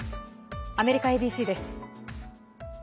アメリカＡＢＣです。